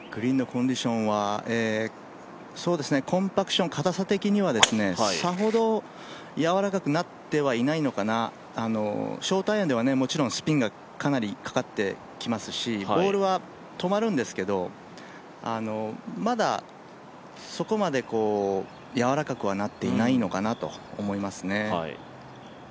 コンパクション、硬さ的にはさほどやわらかくなってないのかな、ショートアイアンではもちろんスピンがかなりかかってきますしボールは止まるんですけど、まだそこまでやわらかくはなっていないのかなと思いますね。